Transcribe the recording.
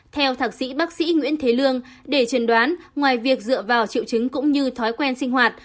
theo thạc sĩ bác sĩ nguyễn thế lương để trần đoán ngoài việc dựa vào triệu chứng cũng như thói quen sinh hoạt